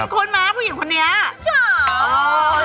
ค้นมาผู้หญิงคนนี้